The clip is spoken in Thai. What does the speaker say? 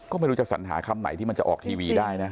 ก็ไม่รู้จะสัญหาคำไหนที่มันจะออกทีวีได้นะ